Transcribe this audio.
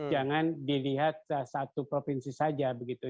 jangan dilihat satu provinsi saja begitu